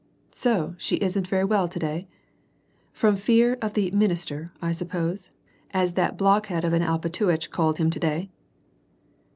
"So she isn't very well to day ? From fear of the 'min ister,' I suppose, as that blockhead of an Alpatuitch called him to day."